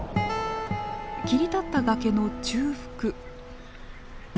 切り立った崖の中腹。